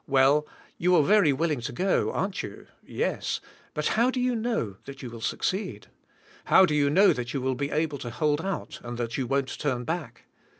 Well, you are very will ing to go, aren't you? Yes. But how do you know that you will succeed? How do you know that you will be able to hold out and that you won't turn ]back?